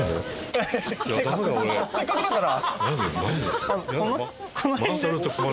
せっかくだから。